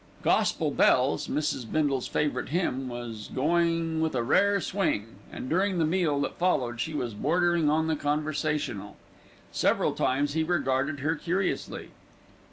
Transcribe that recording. "Gospel Bells", Mrs. Bindle's favourite hymn, was going with a rare swing, and during the meal that followed, she was bordering on the conversational. Several times he regarded her curiously.